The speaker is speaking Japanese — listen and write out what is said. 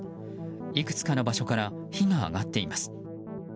いくつかの場所から火が上がっています。